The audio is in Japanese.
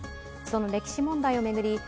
その歴史問題を巡り